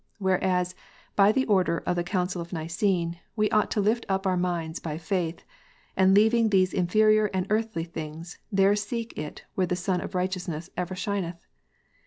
Whereas by the order of the Council of Nicene, we ought to lift up our minds by faith, and leaving these inferior and earthly things, there seek it where the Sun of Righteousness ever shineth.